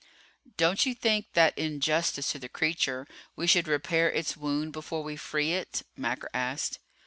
"Don't you think that in justice to the creature we should repair its wound before we free it?" Macker asked.